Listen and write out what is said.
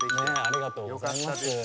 ありがとうございます。